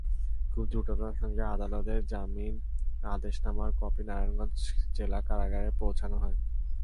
খুবই দ্রুততার সঙ্গে আদালতের জামিন আদেশনামার কপি নারায়ণগঞ্জ জেলা কারাগারে পৌঁছানো হয়।